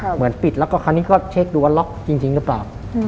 เหมือนปิดแล้วก็คราวนี้ก็เช็คดูว่าล็อกจริงหรือเปล่า